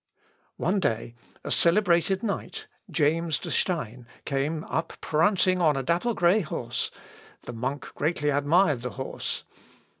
One day, a celebrated knight, James de Stein, came up prancing on a dapple grey horse; the monk greatly admired the horse.